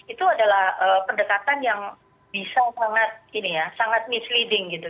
itu adalah pendekatan yang bisa sangat misleading gitu